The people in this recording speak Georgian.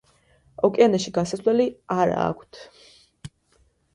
ოკეანეში გასასვლელი არა აქვთ.